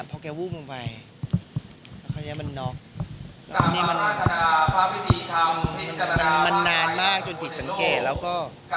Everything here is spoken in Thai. พวงไปมันนาธินาผาวิจีนทำมันนานมากจนผิดสังเกตแล้วก็